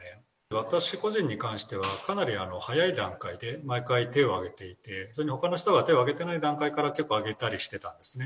私個人に関しては、かなり早い段階で毎回手を挙げていて、本当に他の人が手を挙げていない段階から結構挙げたりしてたんですね。